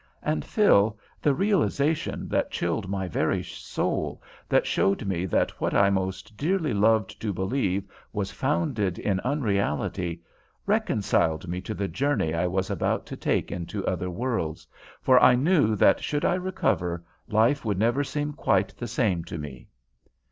And, Phil, the realization that chilled my very soul, that showed me that what I most dearly loved to believe was founded in unreality, reconciled me to the journey I was about to take into other worlds, for I knew that should I recover, life could never seem quite the same to me."